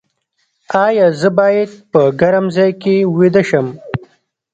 ایا زه باید په ګرم ځای کې ویده شم؟